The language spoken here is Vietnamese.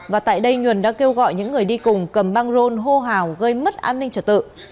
và tại đây nhuần đã kêu gọi những người đi cùng cầm băng rôn hô hào gây mất an ninh trật tự